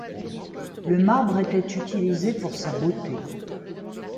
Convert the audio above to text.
Le marbre était utilisé pour sa beauté.